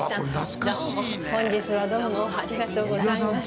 「本日はどうもありがとうございます」